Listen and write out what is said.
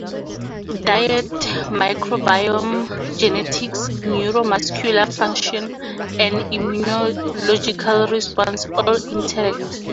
Diet, microbiome, genetics, neuromuscular function and immunological response all interact.